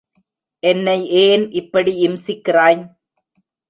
என்னை ஏன் இப்படி இம்சிக்கிறாய்?